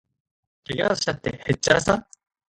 けがをしたって、へっちゃらさ